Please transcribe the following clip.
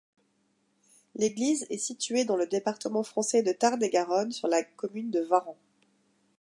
L'église est située dans le département français de Tarn-et-Garonne, sur la commune de Varen.